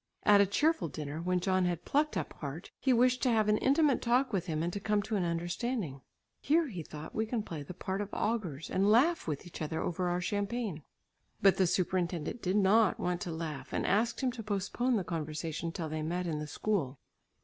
At a cheerful dinner, when John had plucked up heart, he wished to have an intimate talk with him and to come to an understanding. "Here," he thought, "we can play the part of augurs and laugh with each other over our champagne." But the superintendent did not want to laugh and asked him to postpone the conversation till they met in the school.